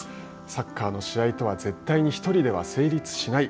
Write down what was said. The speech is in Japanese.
サッカーの試合とは絶対に１人では成立しない。